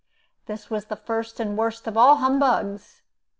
This was the first and worst of all humbugs.